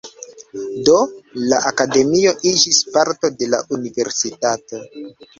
Do, la akademio iĝis parto de la universitato.